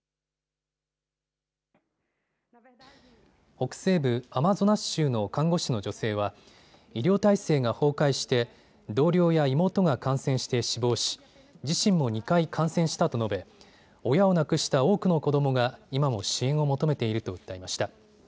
北西部アマゾナス州の看護師の女性は医療態勢が崩壊して同僚や妹が感染して死亡し自身も２回感染したと述べ、親を亡くした多くの子どもが今も支援を求めていると訴えました。